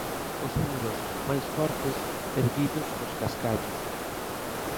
Os muros, máis fortes, erguidos cos cascallos.